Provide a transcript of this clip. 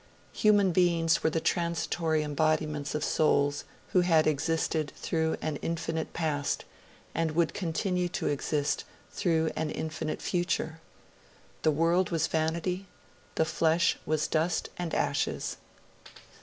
Human beings were the transitory embodiments of souls who had existed through an infinite past, and would continue to exist through an infinite future. The world was vanity; the flesh was dust and ashes.